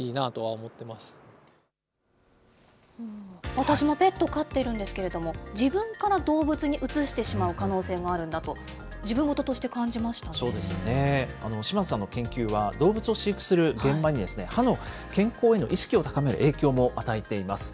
私もペット飼っているんですけれども、自分から動物にうつしてしまう可能性もあるんだと、自分事として島津さんの研究は動物を飼育する現場に、歯の健康への意識を高める影響も与えています。